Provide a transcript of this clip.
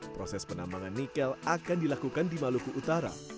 proses penambangan nikel akan dilakukan di maluku utara